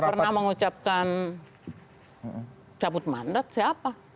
saya tidak pernah mengucapkan cabut mandat siapa